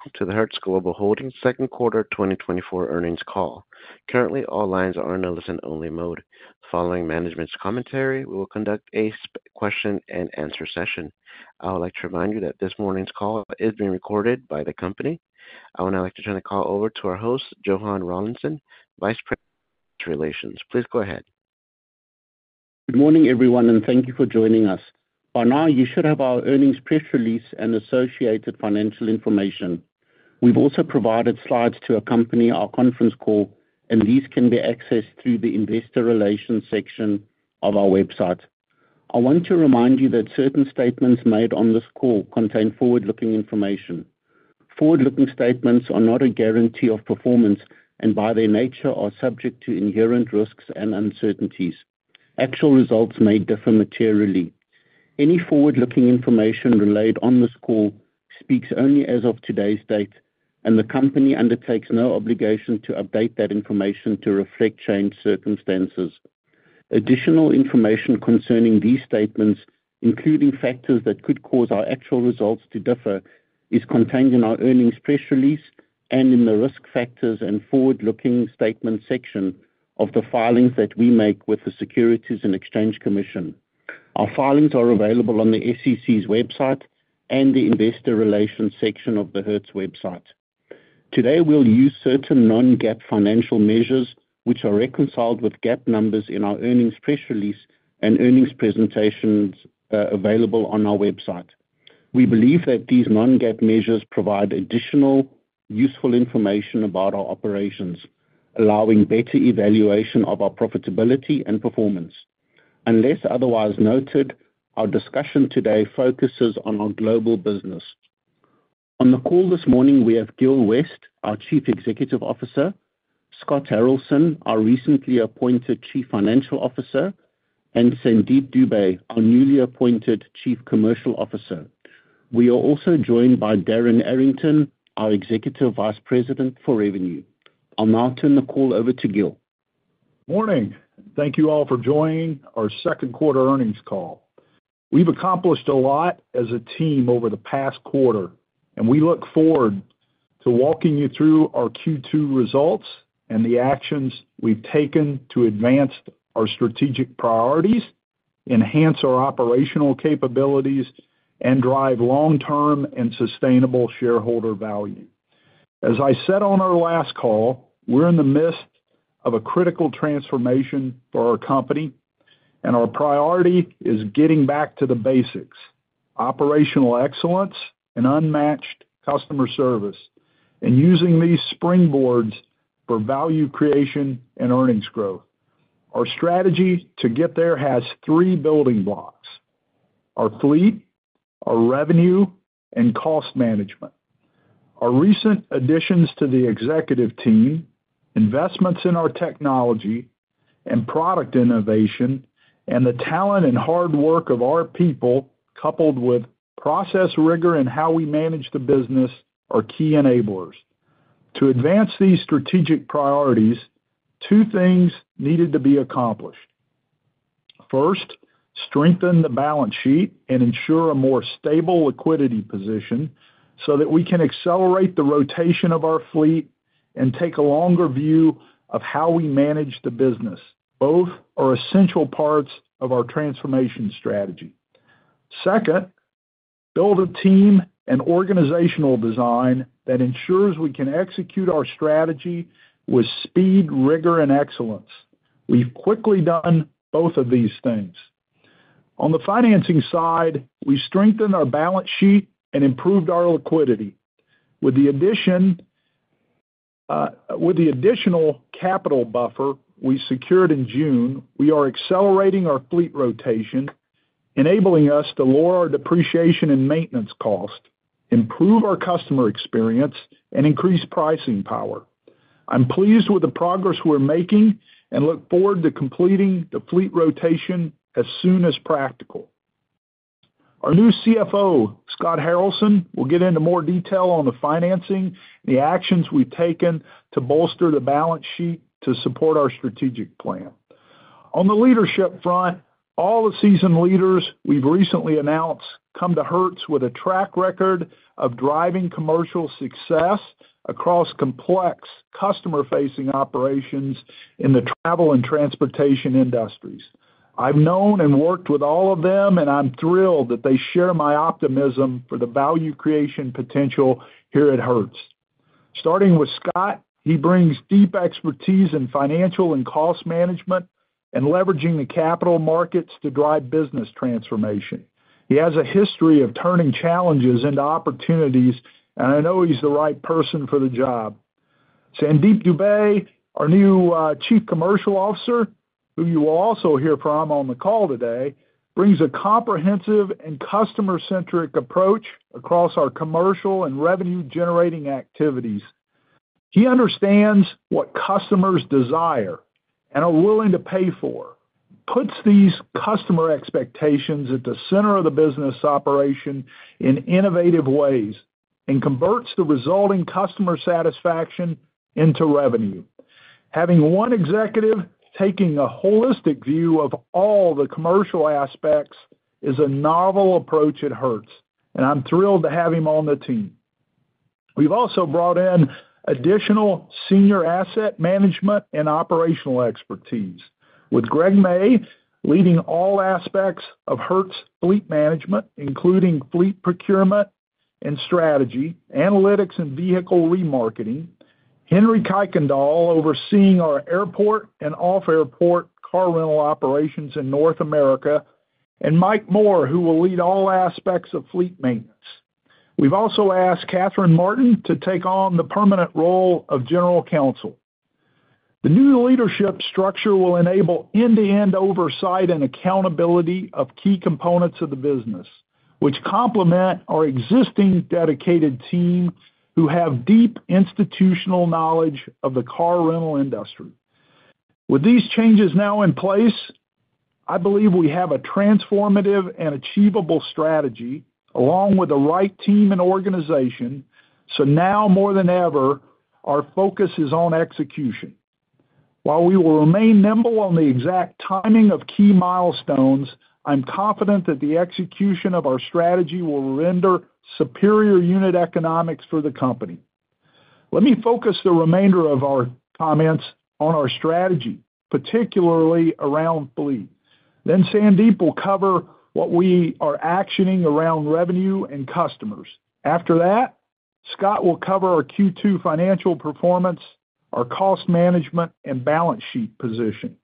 Welcome to the Hertz Global Holdings Second Quarter 2024 Earnings Call. Currently, all lines are in a listen-only mode. Following management's commentary, we will conduct a question and answer session. I would like to remind you that this morning's call is being recorded by the company. I would now like to turn the call over to our host, Johann Rawlinson, Vice President, Relations. Please go ahead. Good morning, everyone, and thank you for joining us. By now, you should have our earnings press release and associated financial information. We've also provided slides to accompany our conference call, and these can be accessed through the investor relations section of our website. I want to remind you that certain statements made on this call contain forward-looking information. Forward-looking statements are not a guarantee of performance, and by their nature, are subject to inherent risks and uncertainties. Actual results may differ materially. Any forward-looking information relayed on this call speaks only as of today's date, and the company undertakes no obligation to update that information to reflect changed circumstances. Additional information concerning these statements, including factors that could cause our actual results to differ, is contained in our earnings press release and in the Risk Factors and Forward-Looking Statements section of the filings that we make with the Securities and Exchange Commission. Our filings are available on the SEC's website and the investor relations section of the Hertz website. Today, we'll use certain non-GAAP financial measures, which are reconciled with GAAP numbers in our earnings press release and earnings presentations, available on our website. We believe that these non-GAAP measures provide additional useful information about our operations, allowing better evaluation of our profitability and performance. Unless otherwise noted, our discussion today focuses on our global business. On the call this morning, we have Gil West, our Chief Executive Officer, Scott Harrelson, our recently appointed Chief Financial Officer, and Sandeep Dubey, our newly appointed Chief Commercial Officer. We are also joined by Darrin Arrington, our Executive Vice President for Revenue. I'll now turn the call over to Gil. Morning! Thank you all for joining our second quarter earnings call. We've accomplished a lot as a team over the past quarter, and we look forward to walking you through our Q2 results and the actions we've taken to advance our strategic priorities, enhance our operational capabilities, and drive long-term and sustainable shareholder value. As I said on our last call, we're in the midst of a critical transformation for our company, and our priority is getting back to the basics, operational excellence and unmatched customer service, and using these springboards for value creation and earnings growth. Our strategy to get there has three building blocks: our fleet, our revenue, and cost management. Our recent additions to the executive team, investments in our technology and product innovation, and the talent and hard work of our people, coupled with process rigor in how we manage the business, are key enablers. To advance these strategic priorities, two things needed to be accomplished. First, strengthen the balance sheet and ensure a more stable liquidity position so that we can accelerate the rotation of our fleet and take a longer view of how we manage the business. Both are essential parts of our transformation strategy. Second, build a team and organizational design that ensures we can execute our strategy with speed, rigor, and excellence. We've quickly done both of these things. On the financing side, we strengthened our balance sheet and improved our liquidity. With the addition, with the additional capital buffer we secured in June, we are accelerating our fleet rotation, enabling us to lower our depreciation and maintenance cost, improve our customer experience, and increase pricing power. I'm pleased with the progress we're making and look forward to completing the fleet rotation as soon as practical. Our new CFO, Scott Harrelson, will get into more detail on the financing and the actions we've taken to bolster the balance sheet to support our strategic plan. On the leadership front, all the seasoned leaders we've recently announced come to Hertz with a track record of driving commercial success across complex customer-facing operations in the travel and transportation industries. I've known and worked with all of them, and I'm thrilled that they share my optimism for the value creation potential here at Hertz. Starting with Scott, he brings deep expertise in financial and cost management and leveraging the capital markets to drive business transformation. He has a history of turning challenges into opportunities, and I know he's the right person for the job. Sandeep Dube, our new Chief Commercial Officer, who you will also hear from on the call today, brings a comprehensive and customer-centric approach across our commercial and revenue-generating activities. He understands what customers desire and are willing to pay for, puts these customer expectations at the center of the business operation in innovative ways, and converts the resulting customer satisfaction into revenue. Having one executive taking a holistic view of all the commercial aspects is a novel approach at Hertz, and I'm thrilled to have him on the team. We've also brought in additional senior asset management and operational expertise, with Greg May leading all aspects of Hertz fleet management, including fleet procurement and strategy, analytics, and vehicle remarketing. Henry Kuykendall overseeing our airport and off-airport car rental operations in North America, and Mike Moore, who will lead all aspects of fleet maintenance. We've also asked Catherine Martin to take on the permanent role of General Counsel. The new leadership structure will enable end-to-end oversight and accountability of key components of the business, which complement our existing dedicated team, who have deep institutional knowledge of the car rental industry. With these changes now in place, I believe we have a transformative and achievable strategy, along with the right team and organization, so now, more than ever, our focus is on execution. While we will remain nimble on the exact timing of key milestones, I'm confident that the execution of our strategy will render superior unit economics for the company. Let me focus the remainder of our comments on our strategy, particularly around fleet. Then Sandeep will cover what we are actioning around revenue and customers. After that, Scott will cover our Q2 financial performance, our cost management, and balance sheet position.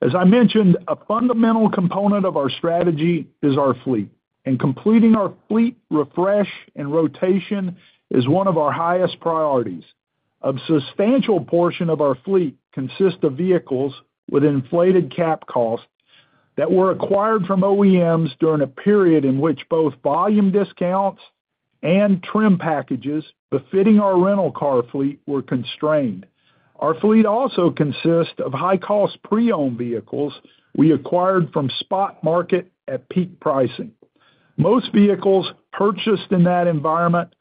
As I mentioned, a fundamental component of our strategy is our fleet, and completing our fleet refresh and rotation is one of our highest priorities. A substantial portion of our fleet consists of vehicles with inflated cap costs that were acquired from OEMs during a period in which both volume discounts and trim packages befitting our rental car fleet were constrained. Our fleet also consists of high-cost pre-owned vehicles we acquired from spot market at peak pricing. Most vehicles purchased in that environment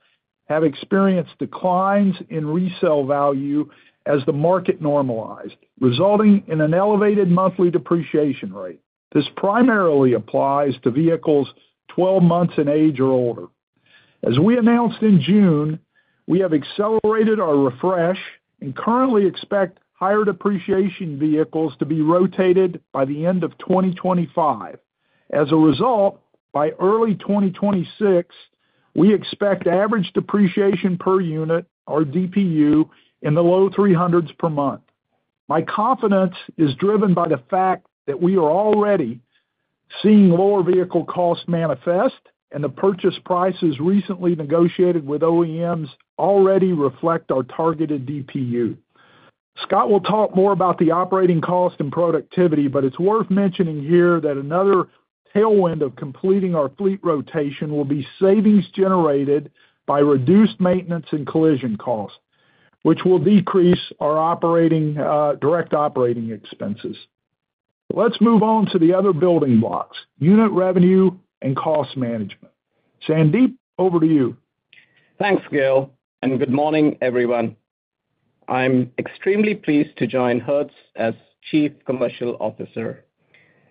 have experienced declines in resale value as the market normalized, resulting in an elevated monthly depreciation rate. This primarily applies to vehicles 12 months in age or older. As we announced in June, we have accelerated our refresh and currently expect higher depreciation vehicles to be rotated by the end of 2025. As a result, by early 2026, we expect average depreciation per unit or DPU in the low 300s per month. My confidence is driven by the fact that we are already seeing lower vehicle costs manifest, and the purchase prices recently negotiated with OEMs already reflect our targeted DPU. Scott will talk more about the operating cost and productivity, but it's worth mentioning here that another tailwind of completing our fleet rotation will be savings generated by reduced maintenance and collision costs, which will decrease our operating, direct operating expenses. Let's move on to the other building blocks, unit revenue and cost management. Sandeep, over to you. Thanks, Gil, and good morning, everyone. I'm extremely pleased to join Hertz as Chief Commercial Officer.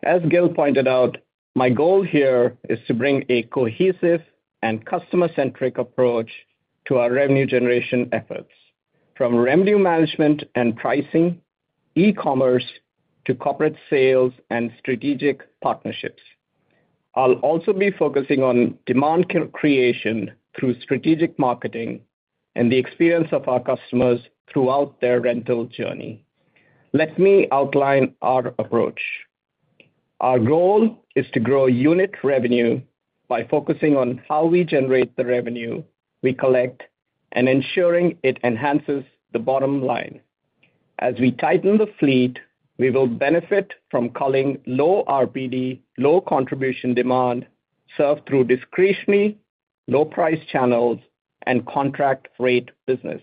As Gil pointed out, my goal here is to bring a cohesive and customer-centric approach to our revenue generation efforts, from revenue management and pricing, e-commerce, to corporate sales and strategic partnerships. I'll also be focusing on demand creation through strategic marketing and the experience of our customers throughout their rental journey. Let me outline our approach. Our goal is to grow unit revenue by focusing on how we generate the revenue we collect and ensuring it enhances the bottom line. As we tighten the fleet, we will benefit from culling low RPD, low contribution demand, served through discretionary low-price channels and contract rate business.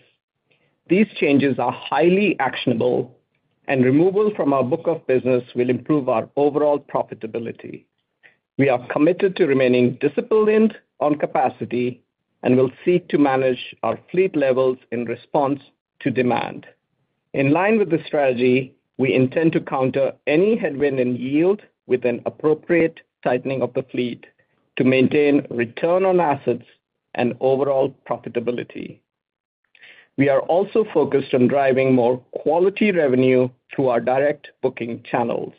These changes are highly actionable, and removal from our book of business will improve our overall profitability. We are committed to remaining disciplined on capacity and will seek to manage our fleet levels in response to demand. In line with the strategy, we intend to counter any headwind in yield with an appropriate tightening of the fleet to maintain return on assets and overall profitability. We are also focused on driving more quality revenue through our direct booking channels.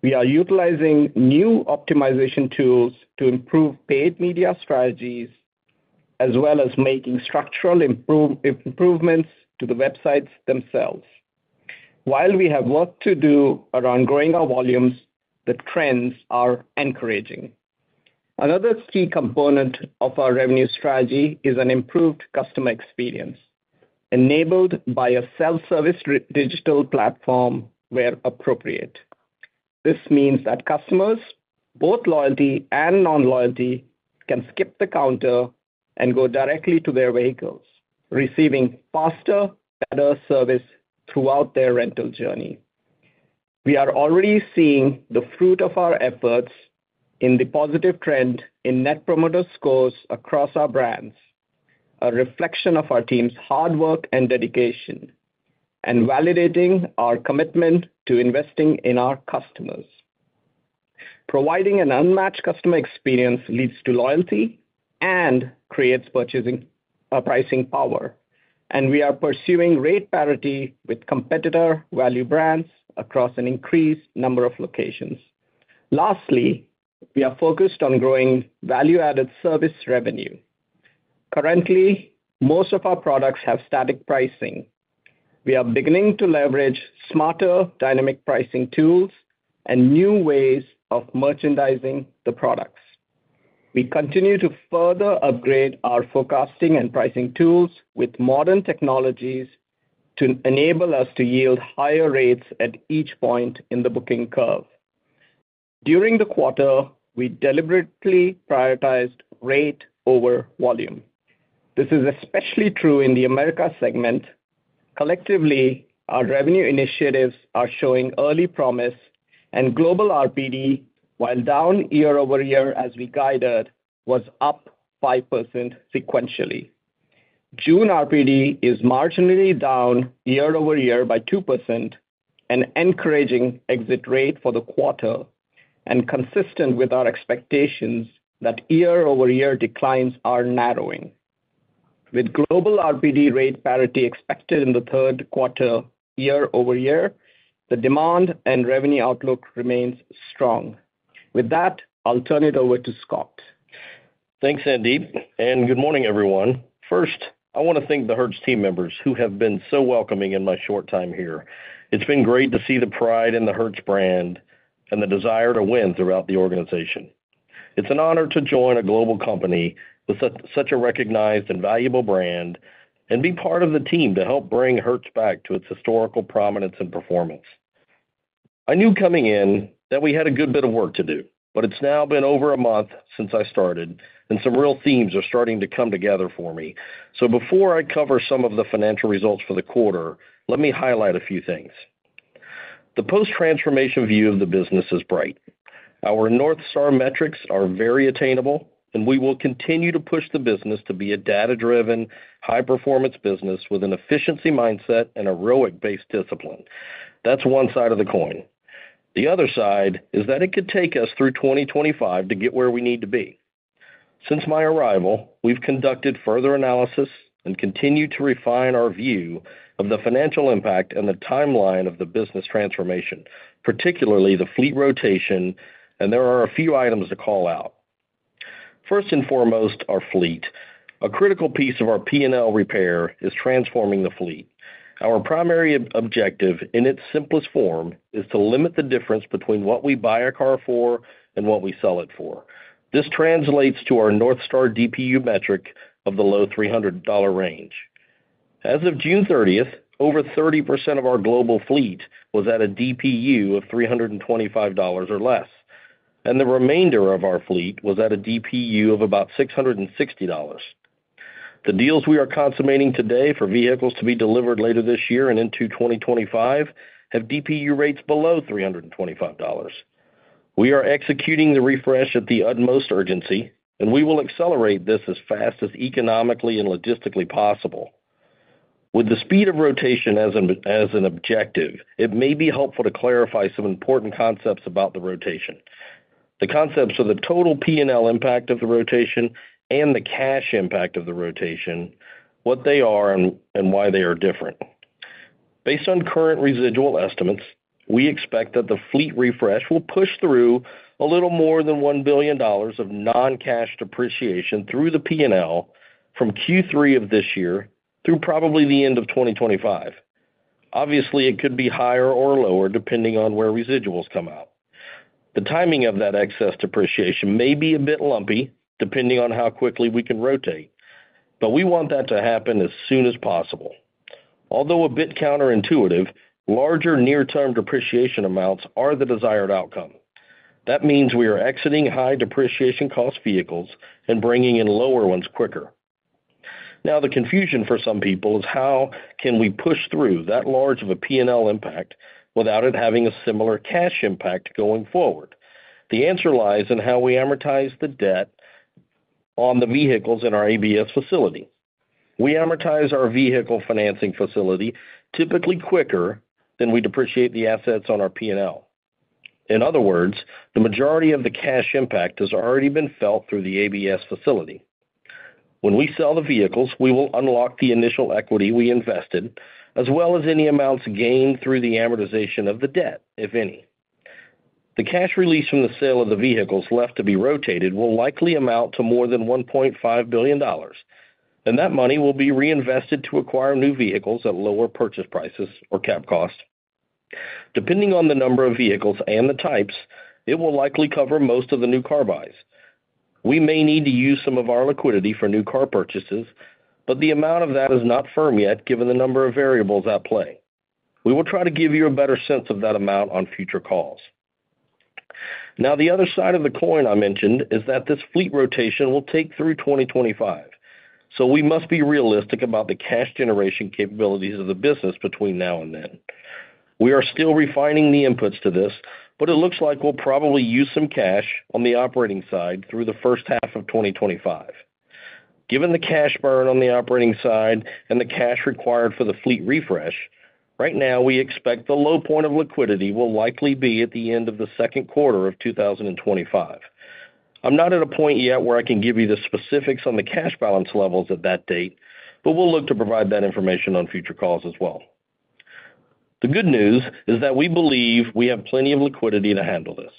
We are utilizing new optimization tools to improve paid media strategies, as well as making structural improvements to the websites themselves. While we have work to do around growing our volumes, the trends are encouraging. Another key component of our revenue strategy is an improved customer experience, enabled by a self-service digital platform where appropriate. This means that customers, both loyalty and non-loyalty, can skip the counter and go directly to their vehicles, receiving faster, better service throughout their rental journey. We are already seeing the fruit of our efforts in the positive trend in net promoter scores across our brands, a reflection of our team's hard work and dedication... and validating our commitment to investing in our customers. Providing an unmatched customer experience leads to loyalty and creates purchasing, pricing power, and we are pursuing rate parity with competitor value brands across an increased number of locations. Lastly, we are focused on growing value-added service revenue. Currently, most of our products have static pricing. We are beginning to leverage smarter dynamic pricing tools and new ways of merchandising the products. We continue to further upgrade our forecasting and pricing tools with modern technologies to enable us to yield higher rates at each point in the booking curve. During the quarter, we deliberately prioritized rate over volume. This is especially true in the Americas segment. Collectively, our revenue initiatives are showing early promise, and global RPD, while down year-over-year as we guided, was up 5% sequentially. June RPD is marginally down year-over-year by 2%, an encouraging exit rate for the quarter and consistent with our expectations that year-over-year declines are narrowing. With global RPD rate parity expected in the third quarter year-over-year, the demand and revenue outlook remains strong. With that, I'll turn it over to Scott. Thanks, Sandeep, and good morning, everyone. First, I want to thank the Hertz team members, who have been so welcoming in my short time here. It's been great to see the pride in the Hertz brand and the desire to win throughout the organization. It's an honor to join a global company with such, such a recognized and valuable brand and be part of the team to help bring Hertz back to its historical prominence and performance. I knew coming in that we had a good bit of work to do, but it's now been over a month since I started, and some real themes are starting to come together for me. So before I cover some of the financial results for the quarter, let me highlight a few things. The post-transformation view of the business is bright. Our North Star metrics are very attainable, and we will continue to push the business to be a data-driven, high-performance business with an efficiency mindset and a ROIC-based discipline. That's one side of the coin. The other side is that it could take us through 2025 to get where we need to be. Since my arrival, we've conducted further analysis and continued to refine our view of the financial impact and the timeline of the business transformation, particularly the fleet rotation, and there are a few items to call out. First and foremost, our fleet. A critical piece of our P&L repair is transforming the fleet. Our primary objective, in its simplest form, is to limit the difference between what we buy a car for and what we sell it for. This translates to our North Star DPU metric of the low $300 range. As of June thirtieth, over 30% of our global fleet was at a DPU of $325 or less, and the remainder of our fleet was at a DPU of about $660. The deals we are consummating today for vehicles to be delivered later this year and into 2025 have DPU rates below $325. We are executing the refresh at the utmost urgency, and we will accelerate this as fast as economically and logistically possible. With the speed of rotation as an objective, it may be helpful to clarify some important concepts about the rotation. The concepts of the total P&L impact of the rotation and the cash impact of the rotation, what they are and why they are different. Based on current residual estimates, we expect that the fleet refresh will push through a little more than $1 billion of non-cash depreciation through the P&L from Q3 of this year through probably the end of 2025. Obviously, it could be higher or lower, depending on where residuals come out. The timing of that excess depreciation may be a bit lumpy, depending on how quickly we can rotate, but we want that to happen as soon as possible. Although a bit counterintuitive, larger near-term depreciation amounts are the desired outcome. That means we are exiting high depreciation cost vehicles and bringing in lower ones quicker. Now, the confusion for some people is how can we push through that large of a P&L impact without it having a similar cash impact going forward? The answer lies in how we amortize the debt on the vehicles in our ABS facility. We amortize our vehicle financing facility typically quicker than we depreciate the assets on our P&L. In other words, the majority of the cash impact has already been felt through the ABS facility. When we sell the vehicles, we will unlock the initial equity we invested, as well as any amounts gained through the amortization of the debt, if any. The cash released from the sale of the vehicles left to be rotated will likely amount to more than $1.5 billion, and that money will be reinvested to acquire new vehicles at lower purchase prices or cap costs. Depending on the number of vehicles and the types, it will likely cover most of the new car buys. We may need to use some of our liquidity for new car purchases, but the amount of that is not firm yet, given the number of variables at play. We will try to give you a better sense of that amount on future calls. Now, the other side of the coin I mentioned is that this fleet rotation will take through 2025, so we must be realistic about the cash generation capabilities of the business between now and then. We are still refining the inputs to this, but it looks like we'll probably use some cash on the operating side through the first half of 2025. Given the cash burn on the operating side and the cash required for the fleet refresh, right now, we expect the low point of liquidity will likely be at the end of the second quarter of 2025. I'm not at a point yet where I can give you the specifics on the cash balance levels at that date, but we'll look to provide that information on future calls as well. The good news is that we believe we have plenty of liquidity to handle this.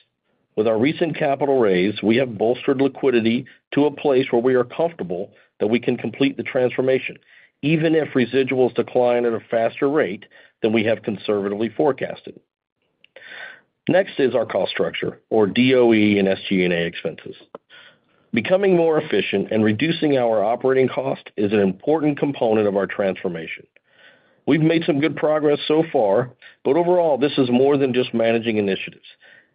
With our recent capital raise, we have bolstered liquidity to a place where we are comfortable that we can complete the transformation, even if residuals decline at a faster rate than we have conservatively forecasted. Next is our cost structure or DOE and SG&A expenses. Becoming more efficient and reducing our operating cost is an important component of our transformation. We've made some good progress so far, but overall, this is more than just managing initiatives.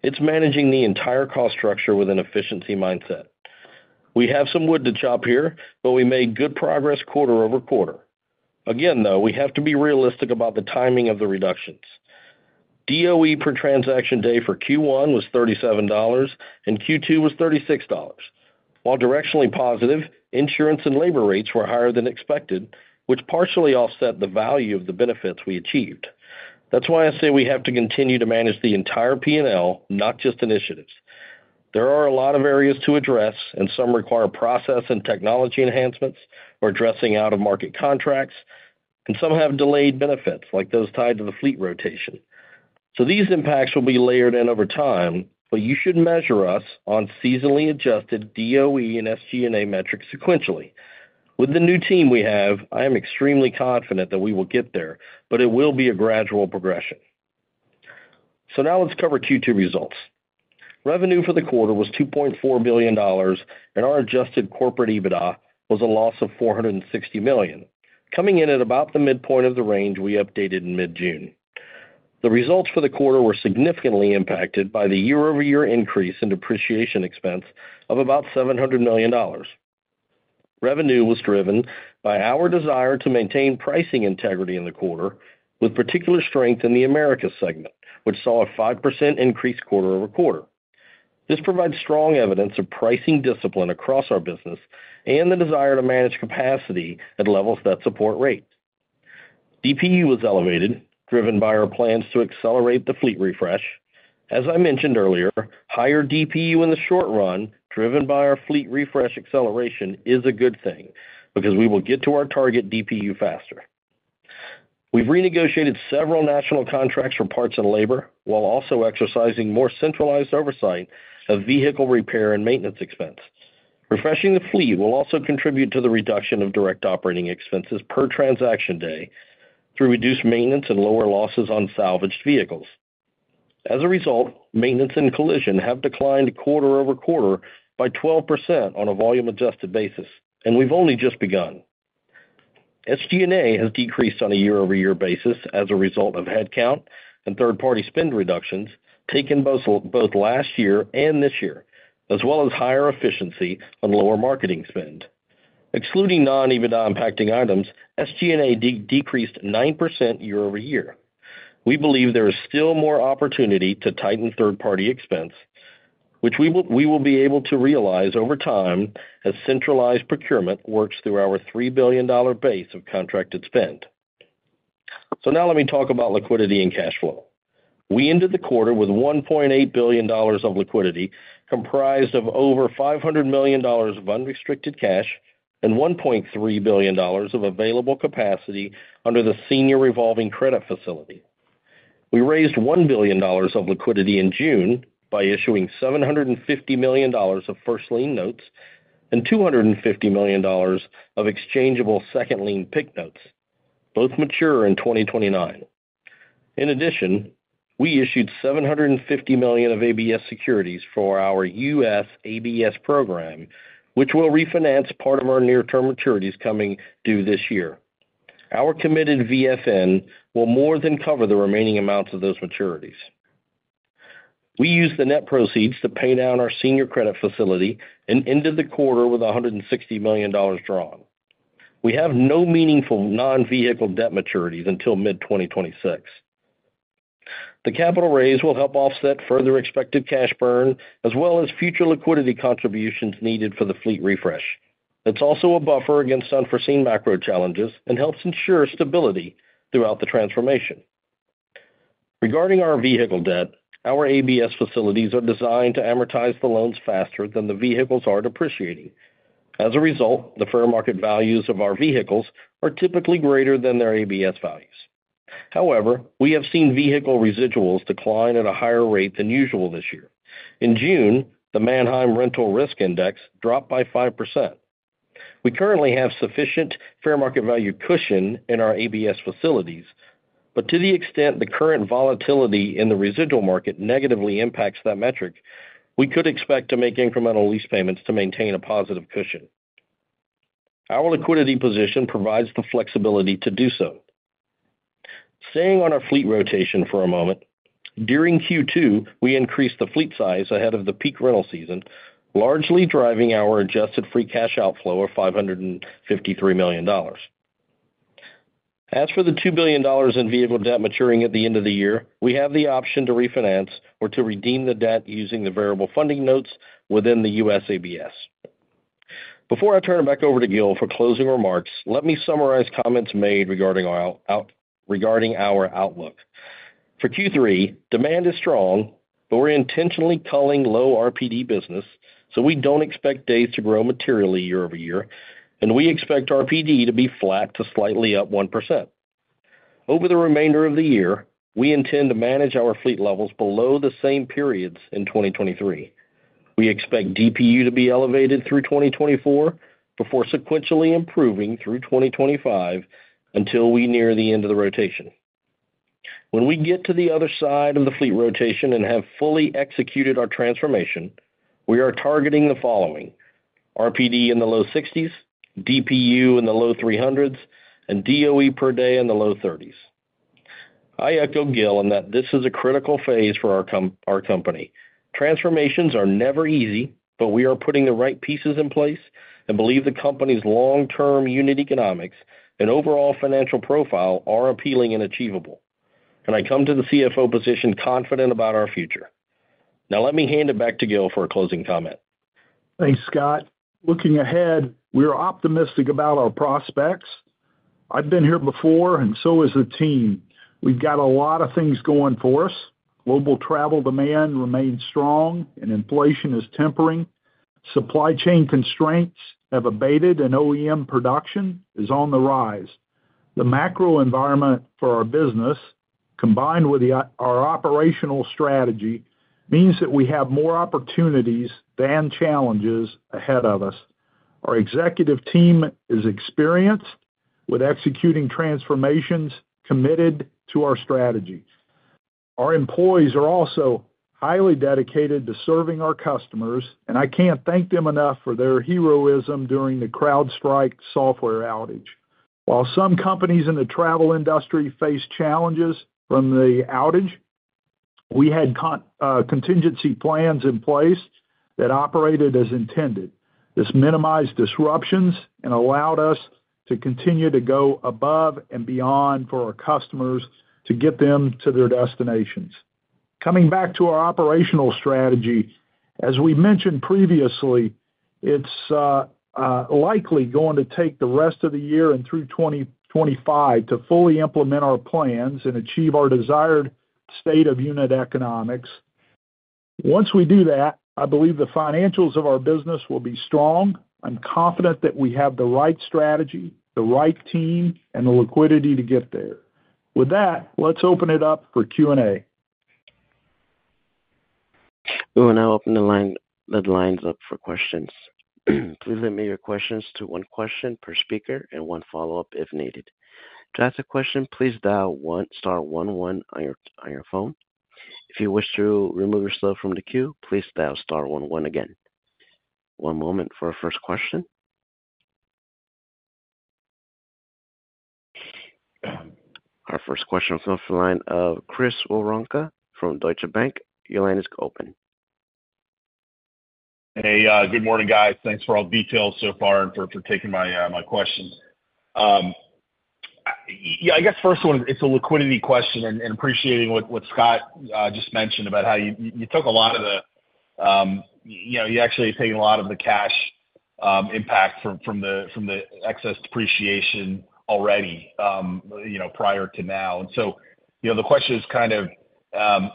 It's managing the entire cost structure with an efficiency mindset. We have some wood to chop here, but we made good progress quarter-over-quarter. Again, though, we have to be realistic about the timing of the reductions. DOE per transaction day for Q1 was $37, and Q2 was $36. While directionally positive, insurance and labor rates were higher than expected, which partially offset the value of the benefits we achieved. That's why I say we have to continue to manage the entire P&L, not just initiatives. There are a lot of areas to address, and some require process and technology enhancements or addressing out-of-market contracts, and some have delayed benefits, like those tied to the fleet rotation. So these impacts will be layered in over time, but you should measure us on seasonally adjusted DOE and SG&A metrics sequentially. With the new team we have, I am extremely confident that we will get there, but it will be a gradual progression. So now let's cover Q2 results. Revenue for the quarter was $2.4 billion, and our adjusted corporate EBITDA was a loss of $460 million, coming in at about the midpoint of the range we updated in mid-June. The results for the quarter were significantly impacted by the year-over-year increase in depreciation expense of about $700 million. Revenue was driven by our desire to maintain pricing integrity in the quarter, with particular strength in the Americas segment, which saw a 5% increase quarter-over-quarter. This provides strong evidence of pricing discipline across our business and the desire to manage capacity at levels that support rate. DPU was elevated, driven by our plans to accelerate the fleet refresh. As I mentioned earlier, higher DPU in the short run, driven by our fleet refresh acceleration, is a good thing because we will get to our target DPU faster. We've renegotiated several national contracts for parts and labor, while also exercising more centralized oversight of vehicle repair and maintenance expense. Refreshing the fleet will also contribute to the reduction of direct operating expenses per transaction day through reduced maintenance and lower losses on salvaged vehicles. As a result, maintenance and collision have declined quarter-over-quarter by 12% on a volume-adjusted basis, and we've only just begun. SG&A has decreased on a year-over-year basis as a result of headcount and third-party spend reductions taken both last year and this year, as well as higher efficiency on lower marketing spend. Excluding non-EBITDA-impacting items, SG&A decreased 9% year-over-year. We believe there is still more opportunity to tighten third-party expense, which we will be able to realize over time as centralized procurement works through our $3 billion base of contracted spend. Now let me talk about liquidity and cash flow. We ended the quarter with $1.8 billion of liquidity, comprised of over $500 million of unrestricted cash and $1.3 billion of available capacity under the senior revolving credit facility. We raised $1 billion of liquidity in June by issuing $750 million of first lien notes and $250 million of exchangeable second lien PIK notes. Both mature in 2029. In addition, we issued $750 million of ABS securities for our U.S. ABS program, which will refinance part of our near-term maturities coming due this year. Our committed VFN will more than cover the remaining amounts of those maturities. We used the net proceeds to pay down our senior credit facility and ended the quarter with $160 million drawn. We have no meaningful non-vehicle debt maturities until mid-2026. The capital raise will help offset further expected cash burn, as well as future liquidity contributions needed for the fleet refresh. It's also a buffer against unforeseen macro challenges and helps ensure stability throughout the transformation. Regarding our vehicle debt, our ABS facilities are designed to amortize the loans faster than the vehicles are depreciating. As a result, the fair market values of our vehicles are typically greater than their ABS values. However, we have seen vehicle residuals decline at a higher rate than usual this year. In June, the Manheim Rental Risk Index dropped by 5%. We currently have sufficient fair market value cushion in our ABS facilities, but to the extent the current volatility in the residual market negatively impacts that metric, we could expect to make incremental lease payments to maintain a positive cushion. Our liquidity position provides the flexibility to do so. Staying on our fleet rotation for a moment, during Q2, we increased the fleet size ahead of the peak rental season, largely driving our adjusted free cash outflow of $553 million. As for the $2 billion in vehicle debt maturing at the end of the year, we have the option to refinance or to redeem the debt using the variable funding notes within the U.S. ABS. Before I turn it back over to Gil for closing remarks, let me summarize comments made regarding our outlook. For Q3, demand is strong, but we're intentionally culling low RPD business, so we don't expect days to grow materially year-over-year, and we expect RPD to be flat to slightly up 1%. Over the remainder of the year, we intend to manage our fleet levels below the same periods in 2023. We expect DPU to be elevated through 2024 before sequentially improving through 2025, until we near the end of the rotation. When we get to the other side of the fleet rotation and have fully executed our transformation, we are targeting the following: RPD in the low 60s, DPU in the low 300s, and DOE per day in the low 30s. I echo Gil in that this is a critical phase for our company. Transformations are never easy, but we are putting the right pieces in place and believe the company's long-term unit economics and overall financial profile are appealing and achievable. I come to the CFO position confident about our future. Now let me hand it back to Gil for a closing comment. Thanks, Scott. Looking ahead, we are optimistic about our prospects. I've been here before, and so is the team. We've got a lot of things going for us. Global travel demand remains strong and inflation is tempering. Supply chain constraints have abated and OEM production is on the rise. The macro environment for our business, combined with our operational strategy, means that we have more opportunities than challenges ahead of us. Our executive team is experienced with executing transformations, committed to our strategies. Our employees are also highly dedicated to serving our customers, and I can't thank them enough for their heroism during the CrowdStrike software outage. While some companies in the travel industry face challenges from the outage, we had contingency plans in place that operated as intended. This minimized disruptions and allowed us to continue to go above and beyond for our customers to get them to their destinations. Coming back to our operational strategy, as we mentioned previously, it's likely going to take the rest of the year and through 2025 to fully implement our plans and achieve our desired state of unit economics. Once we do that, I believe the financials of our business will be strong. I'm confident that we have the right strategy, the right team, and the liquidity to get there. With that, let's open it up for Q&A. We will now open the lines up for questions. Please limit your questions to one question per speaker and one follow-up if needed. To ask a question, please dial star one one on your, on your phone. If you wish to remove yourself from the queue, please dial star one one again. One moment for our first question. Our first question comes from the line of Chris Woronka from Deutsche Bank. Your line is open. Hey, good morning, guys. Thanks for all the details so far and for taking my questions. Yeah, I guess first one, it's a liquidity question, and appreciating what Scott just mentioned about how you took a lot of the, you know, you actually taking a lot of the cash impact from the excess depreciation already, you know, prior to now. And so, you know, the question is kind of,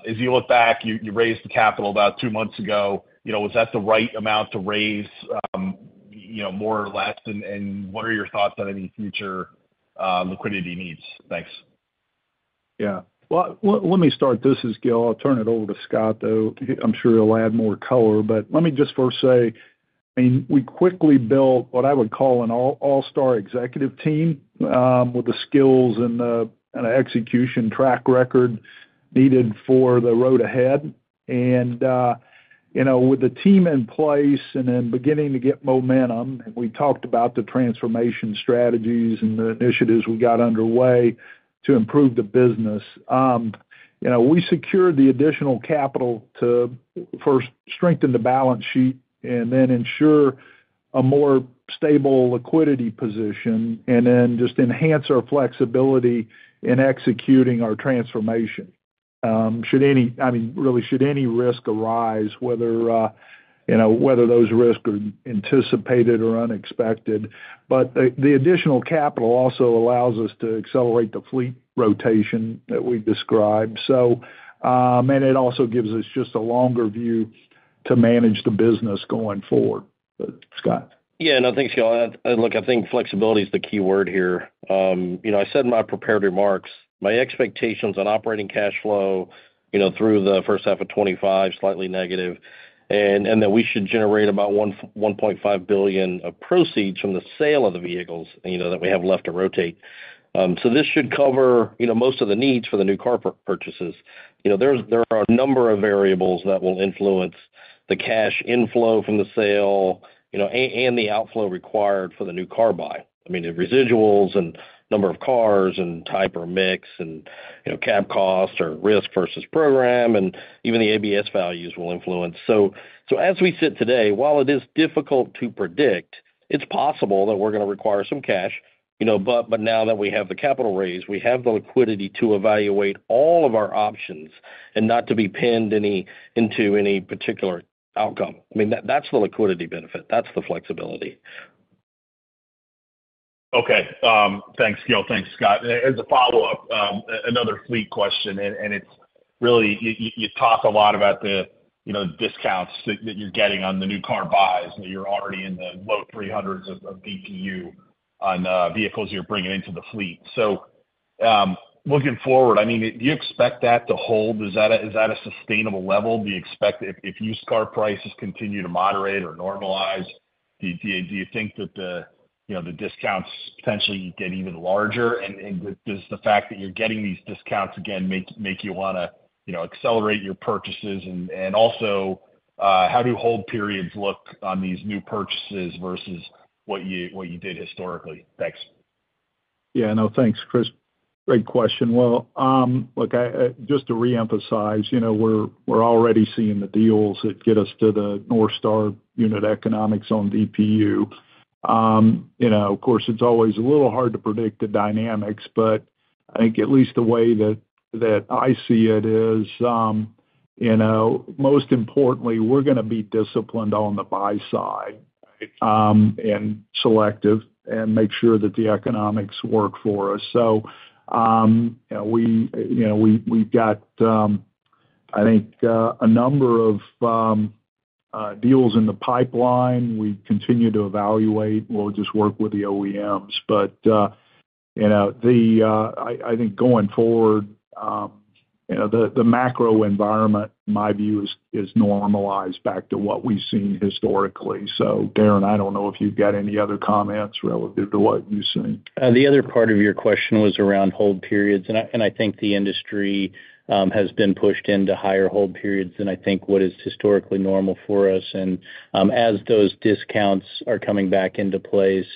as you look back, you raised the capital about two months ago. You know, was that the right amount to raise, you know, more or less, and what are your thoughts on any future liquidity needs? Thanks. Yeah. Well, let me start this as Gil. I'll turn it over to Scott, though. I'm sure he'll add more color, but let me just first say, I mean, we quickly built what I would call an all-star executive team with the skills and the execution track record needed for the road ahead. And you know, with the team in place and then beginning to get momentum, we talked about the transformation strategies and the initiatives we got underway to improve the business. You know, we secured the additional capital to first strengthen the balance sheet and then ensure a more stable liquidity position, and then just enhance our flexibility in executing our transformation. I mean, really, should any risk arise, whether you know, whether those risks are anticipated or unexpected. But the additional capital also allows us to accelerate the fleet rotation that we've described. So, and it also gives us just a longer view to manage the business going forward. Scott? Yeah, no, thanks, Gil. Look, I think flexibility is the key word here. You know, I said in my prepared remarks, my expectations on operating cash flow, you know, through the first half of 2025, slightly negative, and that we should generate about $1.5 billion of proceeds from the sale of the vehicles, you know, that we have left to rotate. So this should cover, you know, most of the needs for the new car purchases. You know, there are a number of variables that will influence the cash inflow from the sale, you know, and the outflow required for the new car buy. I mean, the residuals and number of cars and type or mix and, you know, cap costs or risk versus program, and even the ABS values will influence. As we sit today, while it is difficult to predict, it's possible that we're going to require some cash.... you know, but, but now that we have the capital raise, we have the liquidity to evaluate all of our options and not to be pinned into any particular outcome. I mean, that, that's the liquidity benefit, that's the flexibility. Okay. Thanks, Gil. Thanks, Scott. As a follow-up, another fleet question, and it's really you talk a lot about the, you know, discounts that you're getting on the new car buys, and you're already in the low 300s of DPU on vehicles you're bringing into the fleet. So, looking forward, I mean, do you expect that to hold? Is that a sustainable level? Do you expect if used car prices continue to moderate or normalize, do you think that the, you know, the discounts potentially get even larger? And does the fact that you're getting these discounts again make you wanna, you know, accelerate your purchases? And also, how do hold periods look on these new purchases versus what you did historically? Thanks. Yeah, no, thanks, Chris. Great question. Well, look, just to reemphasize, you know, we're already seeing the deals that get us to the North Star unit economics on DPU. You know, of course, it's always a little hard to predict the dynamics, but I think at least the way that I see it is, you know, most importantly, we're gonna be disciplined on the buy side, and selective and make sure that the economics work for us. So, you know, we've got, I think, a number of deals in the pipeline. We continue to evaluate. We'll just work with the OEMs. But, you know, I think going forward, you know, the macro environment, my view is normalized back to what we've seen historically. So, Darren, I don't know if you've got any other comments relative to what you've seen. The other part of your question was around hold periods, and I think the industry has been pushed into higher hold periods than I think what is historically normal for us. And, as those discounts are coming back into place,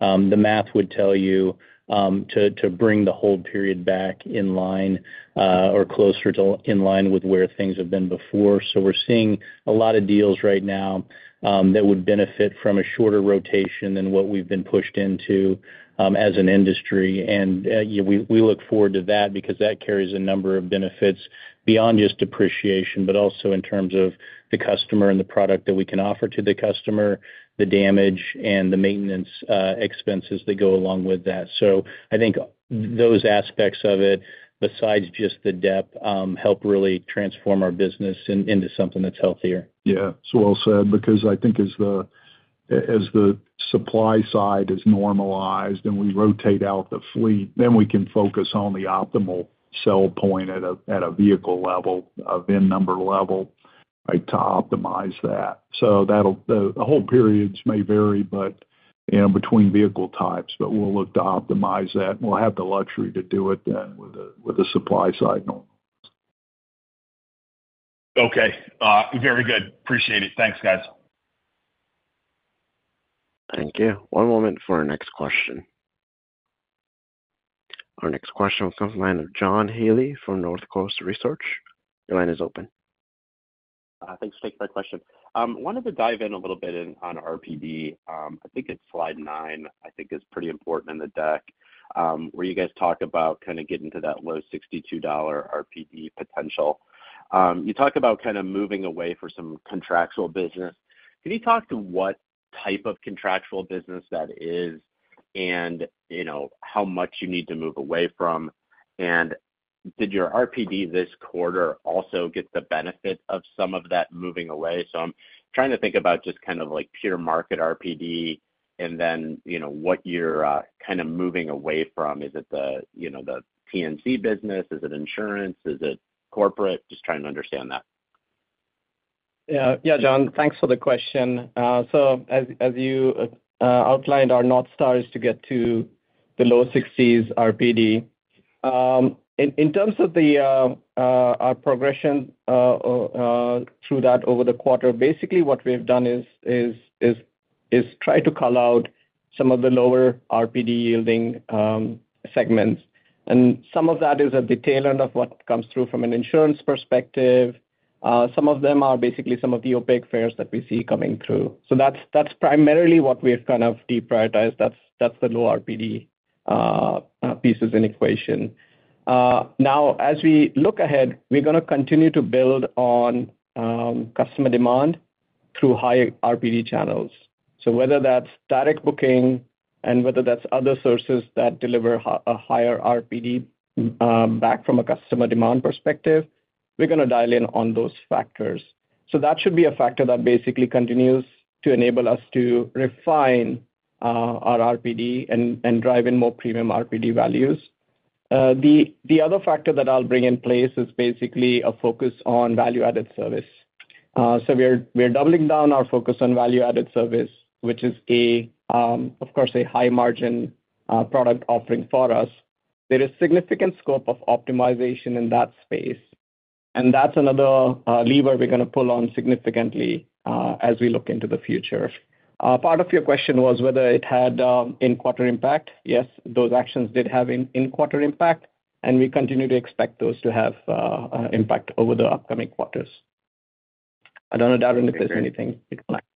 the math would tell you to bring the hold period back in line, or closer to in line with where things have been before. So we're seeing a lot of deals right now that would benefit from a shorter rotation than what we've been pushed into as an industry. And, you know, we look forward to that because that carries a number of benefits beyond just depreciation, but also in terms of the customer and the product that we can offer to the customer, the damage and the maintenance expenses that go along with that. I think those aspects of it, besides just the depth, help really transform our business into something that's healthier. Yeah, it's well said, because I think as the, as the supply side is normalized and we rotate out the fleet, then we can focus on the optimal sell point at a, at a vehicle level, a VIN number level, right? To optimize that. So that'll, the, the hold periods may vary, but, you know, between vehicle types, but we'll look to optimize that, and we'll have the luxury to do it then with a, with the supply side normal. Okay. Very good. Appreciate it. Thanks, guys. Thank you. One moment for our next question. Our next question comes from the line of John Healy from North Coast Research. Your line is open. Thanks. Thanks for my question. Wanted to dive in a little bit in on RPD. I think it's Slide 9, I think is pretty important in the deck, where you guys talk about kind of getting to that low $62 RPD potential. You talk about kind of moving away for some contractual business. Can you talk to what type of contractual business that is and, you know, how much you need to move away from? And did your RPD this quarter also get the benefit of some of that moving away? So I'm trying to think about just kind of like pure market RPD and then, you know, what you're, kind of moving away from. Is it the, you know, the PNC business? Is it insurance? Is it corporate? Just trying to understand that. Yeah. Yeah, John, thanks for the question. So as you outlined, our North Star is to get to the low 60s RPD. In terms of our progression through that over the quarter, basically what we have done is try to call out some of the lower RPD yielding segments. Some of that is at the tail end of what comes through from an insurance perspective. Some of them are basically some of the opaque fares that we see coming through. So that's primarily what we have kind of deprioritized. That's the low RPD pieces in the equation. Now, as we look ahead, we're gonna continue to build on customer demand through higher RPD channels. So whether that's direct booking and whether that's other sources that deliver a higher RPD, back from a customer demand perspective, we're gonna dial in on those factors. So that should be a factor that basically continues to enable us to refine our RPD and, and drive in more premium RPD values. The other factor that I'll bring in place is basically a focus on value-added service. So we're doubling down our focus on value-added service, which is a, of course, a high margin product offering for us. There is significant scope of optimization in that space, and that's another lever we're gonna pull on significantly as we look into the future. Part of your question was whether it had in-quarter impact. Yes, those actions did have in-quarter impact, and we continue to expect those to have impact over the upcoming quarters.... I don't doubt in the clear anything we connect.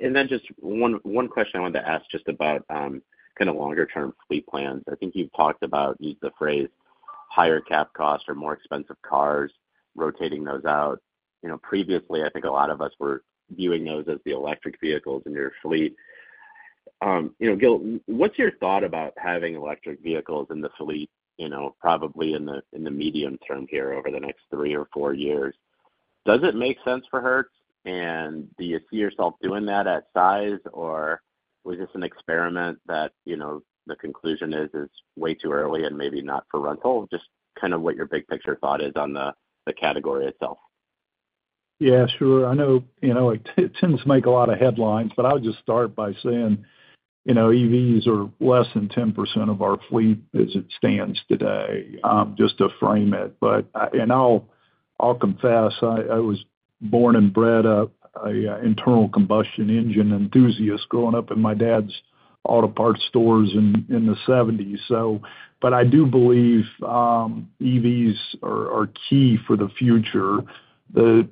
And then just one question I wanted to ask just about kind of longer term fleet plans. I think you've talked about the phrase higher cap costs or more expensive cars, rotating those out. You know, previously, I think a lot of us were viewing those as the electric vehicles in your fleet. You know, Gil, what's your thought about having electric vehicles in the fleet, you know, probably in the medium term here over the next three or four years? Does it make sense for Hertz, and do you see yourself doing that at size, or was this an experiment that, you know, the conclusion is, it's way too early and maybe not for rental? Just kind of what your big picture thought is on the category itself. Yeah, sure. I know, you know, it, it tends to make a lot of headlines, but I'll just start by saying, you know, EVs are less than 10% of our fleet as it stands today, just to frame it. But, and I'll confess, I was born and bred up a internal combustion engine enthusiast, growing up in my dad's auto parts stores in the '70s. So—but I do believe, EVs are key for the future. The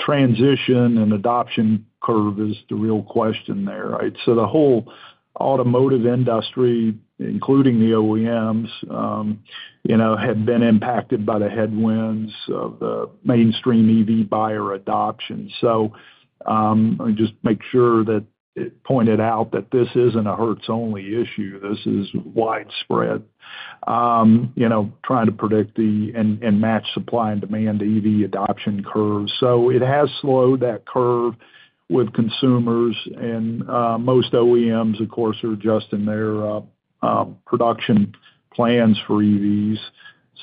transition and adoption curve is the real question there, right? So the whole automotive industry, including the OEMs, you know, have been impacted by the headwinds of the mainstream EV buyer adoption. So, let me just make sure that it pointed out that this isn't a Hertz-only issue. This is widespread. You know, trying to predict the... match supply and demand, the EV adoption curve. So it has slowed that curve with consumers, and most OEMs, of course, are adjusting their production plans for EVs.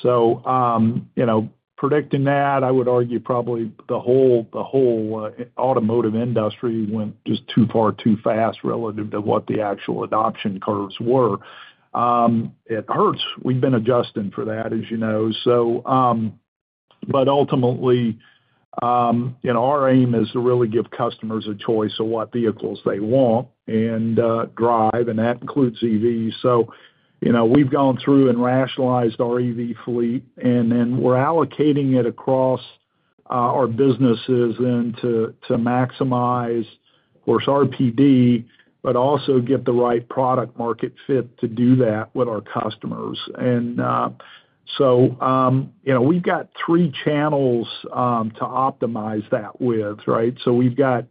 So, you know, predicting that, I would argue probably the whole automotive industry went just too far, too fast relative to what the actual adoption curves were. At Hertz, we've been adjusting for that, as you know. So, but ultimately, you know, our aim is to really give customers a choice of what vehicles they want and drive, and that includes EVs. So, you know, we've gone through and rationalized our EV fleet, and then we're allocating it across our businesses and to maximize, of course, RPD, but also get the right product market fit to do that with our customers. So, you know, we've got three channels to optimize that with, right? So we've got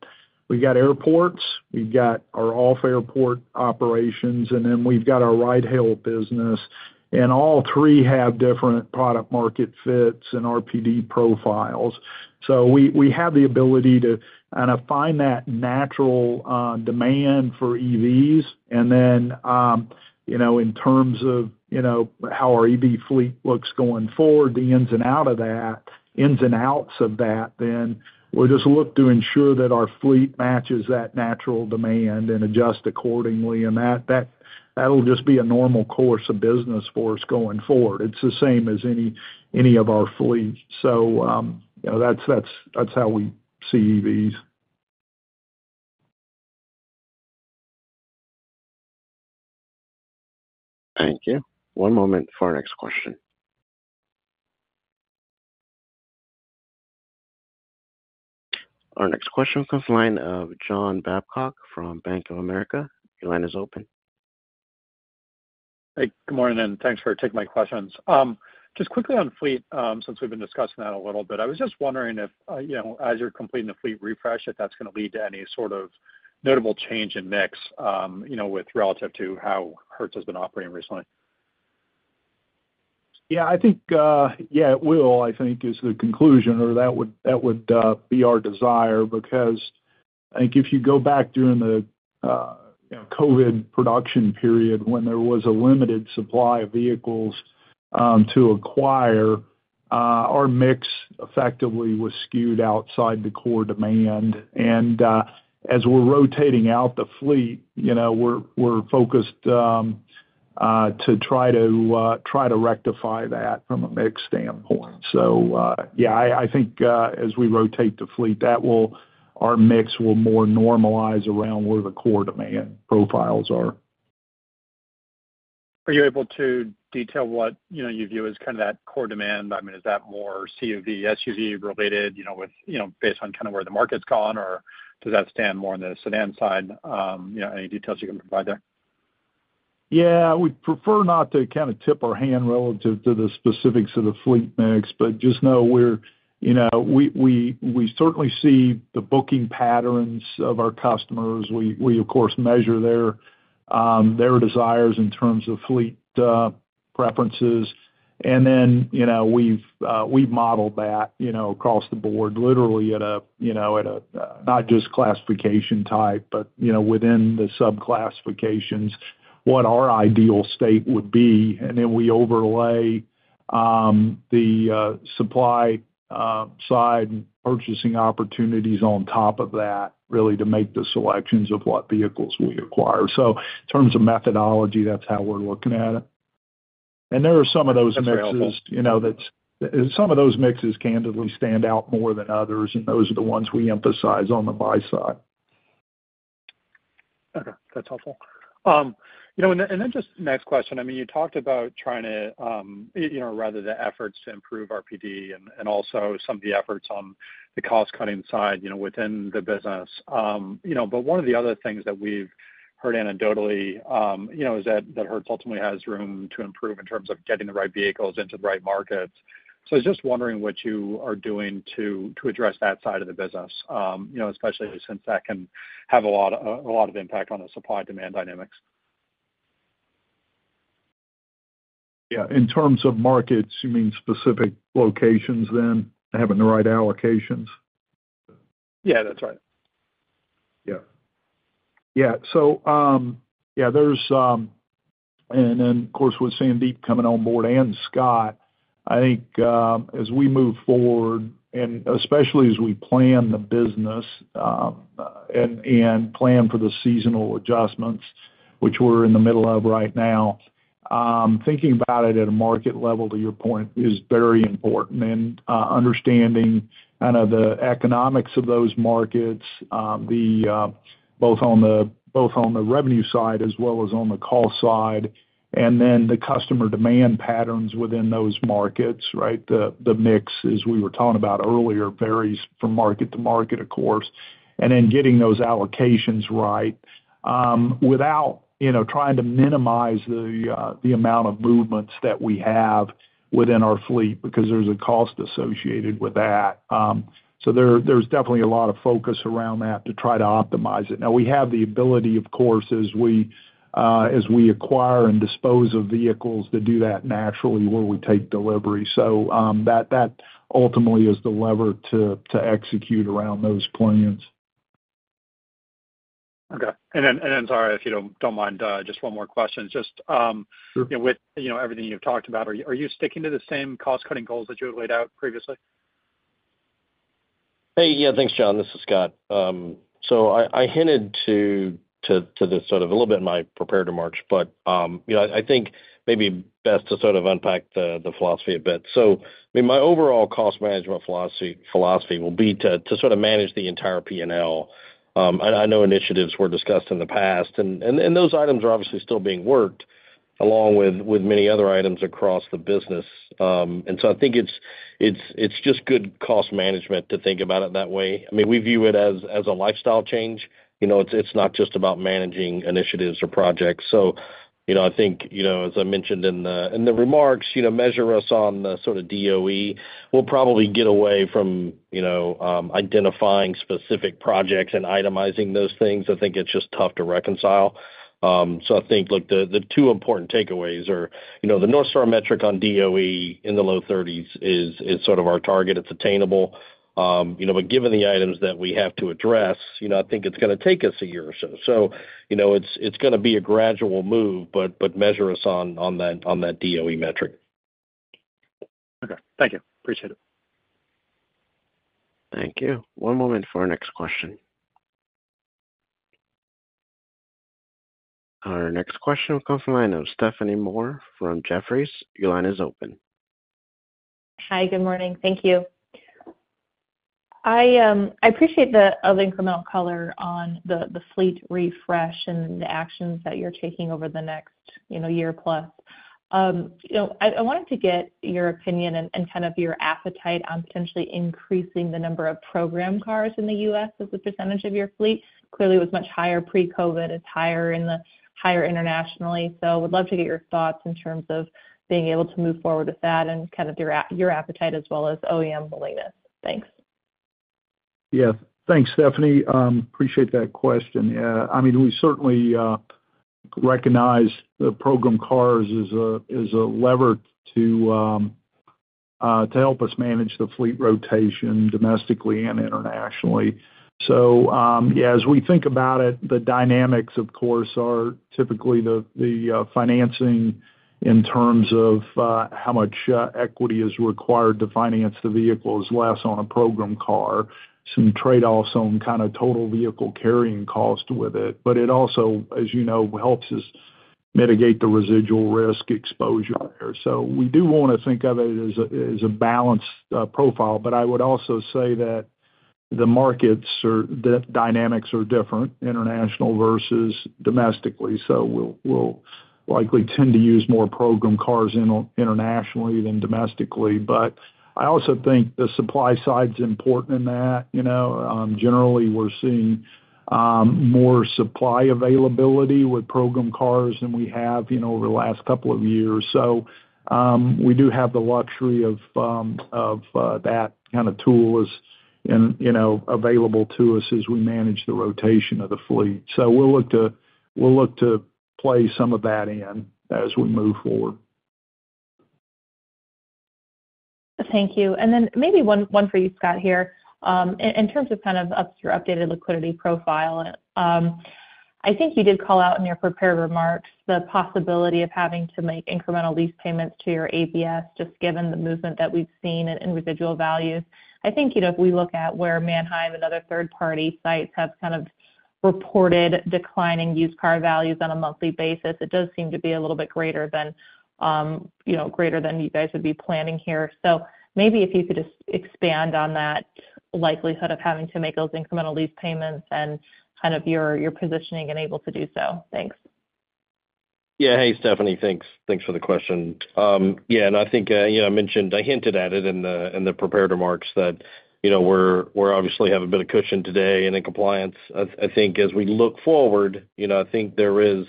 airports, we've got our off-airport operations, and then we've got our ride-hail business, and all three have different product market fits and RPD profiles. So we have the ability to kind of find that natural demand for EVs. And then, you know, in terms of how our EV fleet looks going forward, the ins and outs of that, then we'll just look to ensure that our fleet matches that natural demand and adjust accordingly, and that'll just be a normal course of business for us going forward. It's the same as any of our fleets. So, you know, that's how we see EVs. Thank you. One moment for our next question. Our next question comes from the line of John Babcock from Bank of America. Your line is open. Hey, good morning, and thanks for taking my questions. Just quickly on fleet, since we've been discussing that a little bit. I was just wondering if, you know, as you're completing the fleet refresh, if that's gonna lead to any sort of notable change in mix, you know, with relative to how Hertz has been operating recently? Yeah, I think, yeah, it will, I think, is the conclusion, or that would be our desire, because I think if you go back during the, you know, COVID production period, when there was a limited supply of vehicles to acquire, our mix effectively was skewed outside the core demand. And, as we're rotating out the fleet, you know, we're focused to try to rectify that from a mix standpoint. So, yeah, I think, as we rotate the fleet, that will... our mix will more normalize around where the core demand profiles are. Are you able to detail what, you know, you view as kind of that core demand? I mean, is that more CUV, SUV related, you know, with, you know, based on kind of where the market's gone, or does that stand more on the sedan side? You know, any details you can provide there? Yeah. We'd prefer not to kind of tip our hand relative to the specifics of the fleet mix, but just know we're, you know, we certainly see the booking patterns of our customers. We of course measure their their desires in terms of fleet preferences. And then, you know, we've modeled that, you know, across the board, literally at a, you know, at a not just classification type, but, you know, within the sub classifications, what our ideal state would be, and then we overlay the supply side purchasing opportunities on top of that, really, to make the selections of what vehicles we acquire. So in terms of methodology, that's how we're looking at it. And there are some of those mixes- That's helpful. You know, that's some of those mixes candidly stand out more than others, and those are the ones we emphasize on the buy side.... Okay, that's helpful. You know, and then, and then just next question, I mean, you talked about trying to, you know, rather the efforts to improve RPD and, and also some of the efforts on the cost-cutting side, you know, within the business. You know, but one of the other things that we've heard anecdotally, you know, is that, that Hertz ultimately has room to improve in terms of getting the right vehicles into the right markets. So I was just wondering what you are doing to address that side of the business, you know, especially since that can have a lot of impact on the supply-demand dynamics. Yeah, in terms of markets, you mean specific locations then, having the right allocations? Yeah, that's right. Yeah. Yeah, so, yeah, there's... And then, of course, with Sandeep coming on board and Scott, I think, as we move forward, and especially as we plan the business, and plan for the seasonal adjustments, which we're in the middle of right now, thinking about it at a market level, to your point, is very important. And, understanding kind of the economics of those markets, both on the revenue side as well as on the cost side, and then the customer demand patterns within those markets, right? The mix, as we were talking about earlier, varies from market to market, of course, and then getting those allocations right, without, you know, trying to minimize the amount of movements that we have within our fleet, because there's a cost associated with that. So, there's definitely a lot of focus around that to try to optimize it. Now, we have the ability, of course, as we acquire and dispose of vehicles, to do that naturally when we take delivery. So, that ultimately is the lever to execute around those plans. Okay. And then, sorry, if you don't mind, just one more question. Sure. With, you know, everything you've talked about, are you, are you sticking to the same cost-cutting goals that you had laid out previously? Hey, yeah, thanks, John. This is Scott. So I hinted to this sort of a little bit in my prepared remarks, but, you know, I think maybe best to sort of unpack the philosophy a bit. So, I mean, my overall cost management philosophy will be to sort of manage the entire P&L. I know initiatives were discussed in the past, and those items are obviously still being worked along with many other items across the business. And so I think it's just good cost management to think about it that way. I mean, we view it as a lifestyle change. You know, it's not just about managing initiatives or projects. So, you know, I think, you know, as I mentioned in the, in the remarks, you know, measure us on the sort of DOE. We'll probably get away from, you know, identifying specific projects and itemizing those things. I think it's just tough to reconcile. So I think, look, the, the two important takeaways are, you know, the North Star metric on DOE in the low 30s is, is sort of our target. It's attainable. You know, but given the items that we have to address, you know, I think it's gonna take us a year or so. So, you know, it's, it's gonna be a gradual move, but, but measure us on, on that, on that DOE metric. Okay. Thank you. Appreciate it. Thank you. One moment for our next question. Our next question will come from the line of Stephanie Moore from Jefferies. Your line is open. Hi, good morning. Thank you. I appreciate the incremental color on the fleet refresh and the actions that you're taking over the next, you know, year plus. You know, I wanted to get your opinion and kind of your appetite on potentially increasing the number of program cars in the U.S. as a percentage of your fleet. Clearly, it was much higher pre-COVID, it's higher internationally. So would love to get your thoughts in terms of being able to move forward with that and kind of your appetite as well as OEM willingness. Thanks. Yeah. Thanks, Stephanie. Appreciate that question. I mean, we certainly recognize the program cars as a lever to help us manage the fleet rotation domestically and internationally. So, yeah, as we think about it, the dynamics, of course, are typically the financing in terms of how much equity is required to finance the vehicle is less on a program car. Some trade-offs on kind of total vehicle carrying cost with it, but it also, as you know, helps us mitigate the residual risk exposure. So we do want to think of it as a balanced profile. But I would also say that the dynamics are different, international versus domestically, so we'll likely tend to use more program cars internationally than domestically. But I also think the supply side is important in that. You know, generally, we're seeing more supply availability with program cars than we have, you know, over the last couple of years. So, we do have the luxury of that kind of tool, and you know, available to us as we manage the rotation of the fleet. So we'll look to play some of that in as we move forward. Thank you. And then maybe one for you, Scott, here. In terms of kind of upon your updated liquidity profile, I think you did call out in your prepared remarks the possibility of having to make incremental lease payments to your ABS, just given the movement that we've seen in residual values. I think, you know, if we look at where Manheim and other third-party sites have kind of reported declining used car values on a monthly basis, it does seem to be a little bit greater than, you know, greater than you guys would be planning here. So maybe if you could just expand on that likelihood of having to make those incremental lease payments and kind of your positioning and able to do so. Thanks. Yeah. Hey, Stephanie. Thanks, thanks for the question. Yeah, and I think, you know, I mentioned—I hinted at it in the prepared remarks that, you know, we're obviously have a bit of cushion today and in compliance. I think as we look forward, you know, I think there is,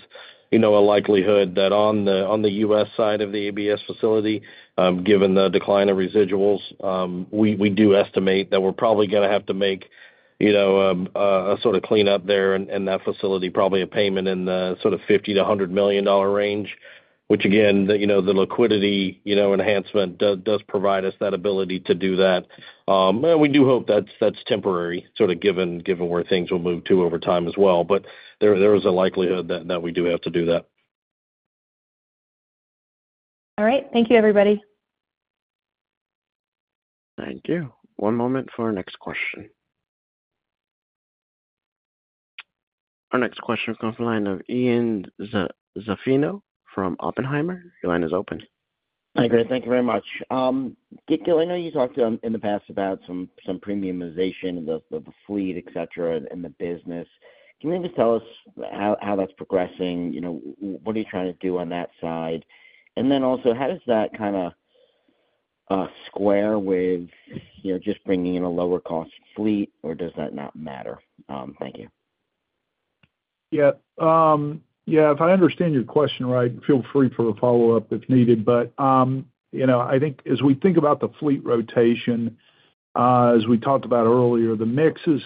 you know, a likelihood that on the U.S. side of the ABS facility, given the decline of residuals, we do estimate that we're probably gonna have to make, you know, a sort of cleanup there in that facility, probably a payment in the sort of $50 million-$100 million range, which again, the liquidity enhancement does provide us that ability to do that. And we do hope that's temporary, sort of, given where things will move to over time as well. But there is a likelihood that we do have to do that. All right. Thank you, everybody. Thank you. One moment for our next question. Our next question comes from the line of Ian Zaffino from Oppenheimer. Your line is open. Hi, great. Thank you very much. Gil, I know you talked in the past about some premiumization of the fleet, et cetera, in the business. Can you just tell us how that's progressing? You know, what are you trying to do on that side? And then also, how does that kind of square with, you know, just bringing in a lower cost fleet, or does that not matter? Thank you. Yeah. Yeah, if I understand your question right, feel free for a follow-up if needed. But, you know, I think as we think about the fleet rotation, as we talked about earlier, the mix is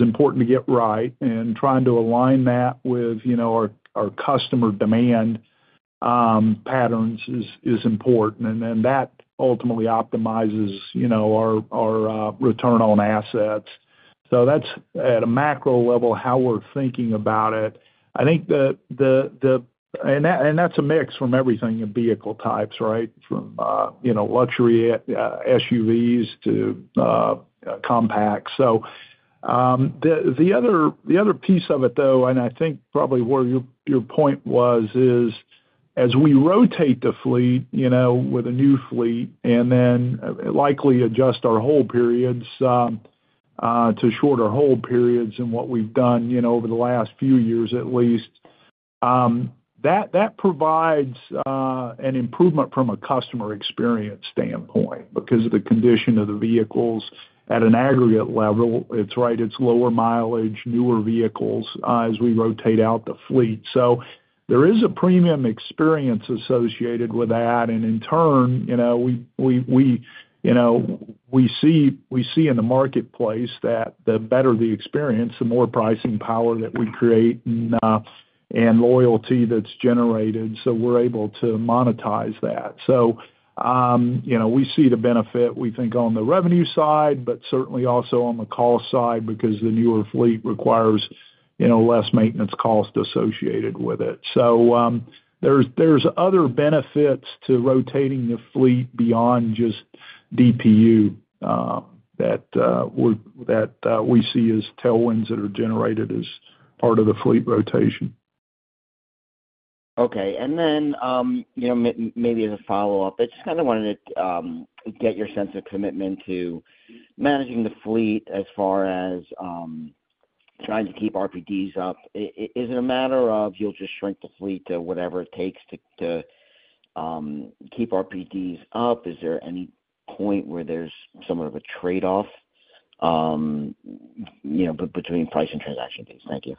important to get right and trying to align that with, you know, our return on assets. So that's at a macro level, how we're thinking about it. I think the... And that, and that's a mix from everything in vehicle types, right? From, you know, luxury SUVs to compact. So, the other piece of it, though, and I think probably where your point was, is as we rotate the fleet, you know, with a new fleet, and then likely adjust our hold periods to shorter hold periods than what we've done, you know, over the last few years at least, that provides an improvement from a customer experience standpoint because of the condition of the vehicles at an aggregate level. It's right, it's lower mileage, newer vehicles as we rotate out the fleet. So there is a premium experience associated with that, and in turn, you know, we see in the marketplace that the better the experience, the more pricing power that we create and loyalty that's generated, so we're able to monetize that. So, you know, we see the benefit, we think, on the revenue side, but certainly also on the cost side, because the newer fleet requires, you know, less maintenance cost associated with it. So, there's other benefits to rotating the fleet beyond just DPU, that we see as tailwinds that are generated as part of the fleet rotation. Okay. And then, you know, maybe as a follow-up, I just kind of wanted to get your sense of commitment to managing the fleet as far as trying to keep RPDs up. Is it a matter of you'll just shrink the fleet to whatever it takes to keep RPDs up? Is there any point where there's somewhat of a trade-off, you know, between price and transaction fees? Thank you.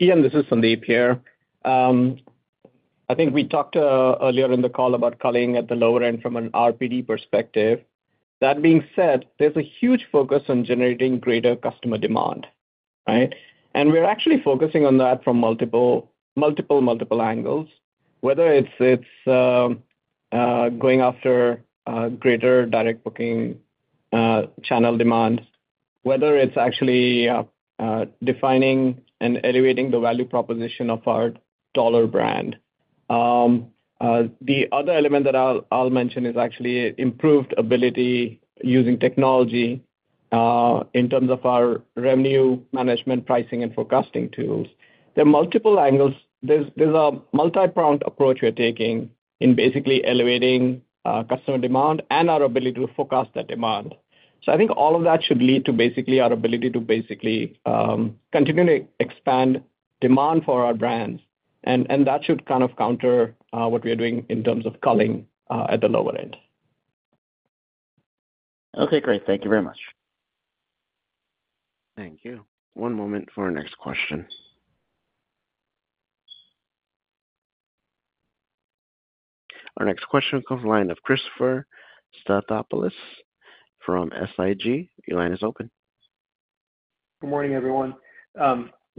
Ian, this is Sandeep here. I think we talked earlier in the call about culling at the lower end from an RPD perspective. That being said, there's a huge focus on generating greater customer demand, right? And we're actually focusing on that from multiple, multiple, multiple angles, whether it's going after greater direct booking channel demand, whether it's actually defining and elevating the value proposition of our Dollar brand. The other element that I'll mention is actually improved ability using technology in terms of our revenue management, pricing, and forecasting tools. There are multiple angles. There's a multipronged approach we're taking in basically elevating customer demand and our ability to forecast that demand. So I think all of that should lead to basically our ability to basically continually expand demand for our brands, and, and that should kind of counter what we are doing in terms of culling at the lower end. Okay, great. Thank you very much. Thank you. One moment for our next question. Our next question comes from the line of Christopher Stathopoulos from SIG. Your line is open. Good morning, everyone.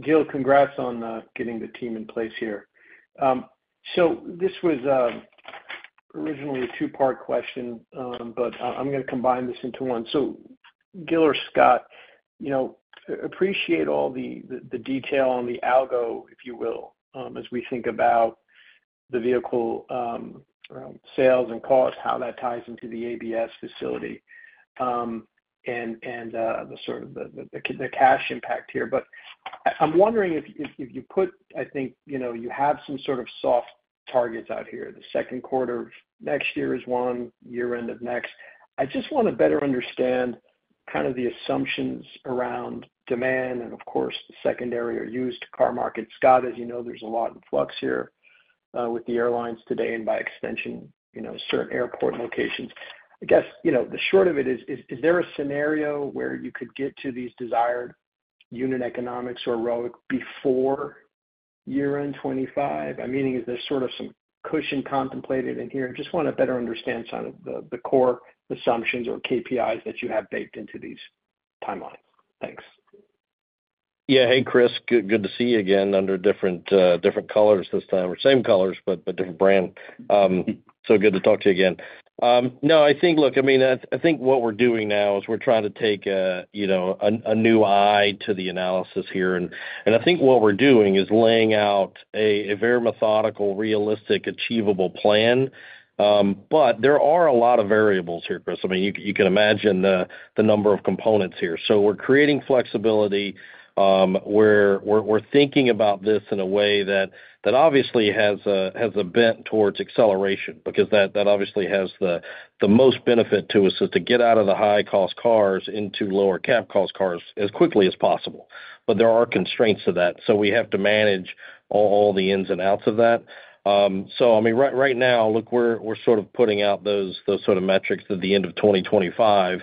Gil, congrats on getting the team in place here. So this was originally a two-part question, but I'm gonna combine this into one. So Gil or Scott, you know, appreciate all the detail on the algo, if you will, as we think about the vehicle sales and cost, how that ties into the ABS facility, and the sort of the cash impact here. But I'm wondering if you put... I think, you know, you have some sort of soft targets out here. The second quarter of next year is one, year end of next. I just want to better understand kind of the assumptions around demand and of course, the secondary or used car market. Scott, as you know, there's a lot in flux here with the airlines today, and by extension, you know, certain airport locations. I guess, you know, the short of it is, is there a scenario where you could get to these desired unit economics or ROIC before year-end 2025? I mean, is there sort of some cushion contemplated in here? Just want to better understand some of the core assumptions or KPIs that you have baked into these timelines. Thanks. Yeah. Hey, Chris, good to see you again under different colors this time, or same colors, but different brand. So good to talk to you again. No, I think, look, I mean, I think what we're doing now is we're trying to take a, you know, a new eye to the analysis here. And I think what we're doing is laying out a very methodical, realistic, achievable plan. But there are a lot of variables here, Chris. I mean, you can imagine the number of components here. So we're creating flexibility. We're thinking about this in a way that obviously has a bent towards acceleration, because that obviously has the most benefit to us, is to get out of the high-cost cars into lower cap cost cars as quickly as possible. But there are constraints to that, so we have to manage all the ins and outs of that. So I mean, right now, look, we're sort of putting out those sort of metrics at the end of 2025.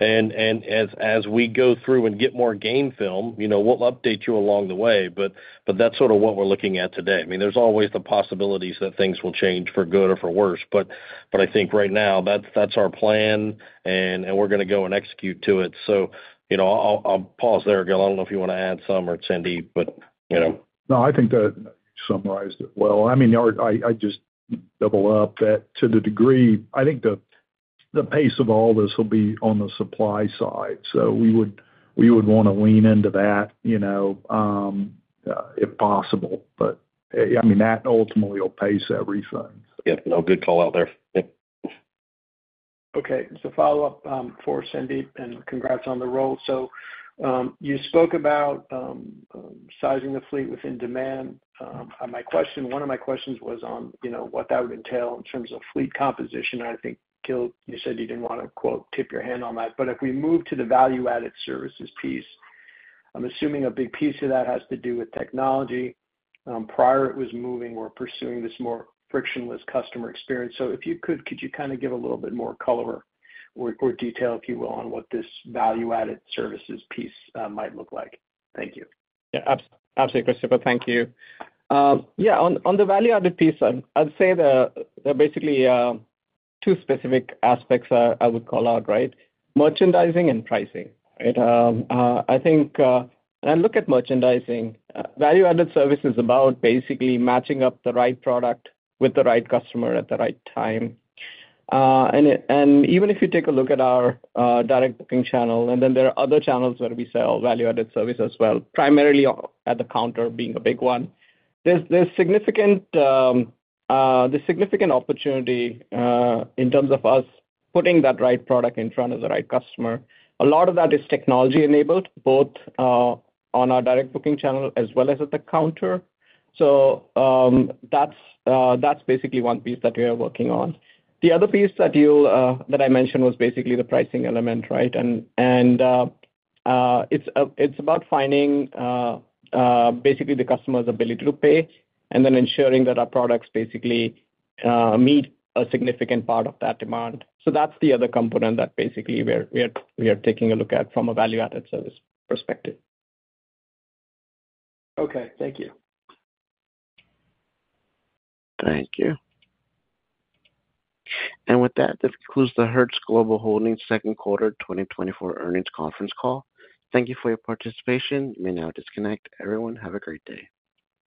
And as we go through and get more game film, you know, we'll update you along the way, but that's sort of what we're looking at today. I mean, there's always the possibilities that things will change for good or for worse, but, but I think right now, that's, that's our plan, and, and we're gonna go and execute to it. So, you know, I'll, I'll pause there, Gil. I don't know if you want to add some or Sandeep, but, you know. No, I think that summarized it well. I mean, I just double up that to the degree, I think the pace of all this will be on the supply side, so we would want to lean into that, you know, if possible. But, I mean, that ultimately will pace everything. Yeah. No, good call out there. Yeah. Okay, so follow-up, for Sandeep, and congrats on the role. So, you spoke about, sizing the fleet within demand. My question—one of my questions was on, you know, what that would entail in terms of fleet composition. I think, Gil, you said you didn't want to, quote, "tip your hand on that." But if we move to the value-added services piece, I'm assuming a big piece of that has to do with technology. Prior, it was moving or pursuing this more frictionless customer experience. So if you could kind of give a little bit more color or detail, if you will, on what this value-added services piece might look like? Thank you. Yeah, absolutely, Christopher. Thank you. Yeah, on the value-added piece, I'd say there are basically two specific aspects I would call out, right? Merchandising and pricing, right? I think. And look at merchandising, value-added service is about basically matching up the right product with the right customer at the right time. And even if you take a look at our direct booking channel, and then there are other channels where we sell value-added service as well, primarily at the counter being a big one. There's significant opportunity in terms of us putting that right product in front of the right customer. A lot of that is technology-enabled, both on our direct booking channel as well as at the counter. So, that's basically one piece that we are working on. The other piece that you, that I mentioned was basically the pricing element, right? And it's about finding basically the customer's ability to pay and then ensuring that our products basically meet a significant part of that demand. So that's the other component that basically we are taking a look at from a value-added service perspective. Okay. Thank you. Thank you. And with that, this concludes the Hertz Global Holdings second quarter 2024 earnings conference call. Thank you for your participation. You may now disconnect. Everyone, have a great day.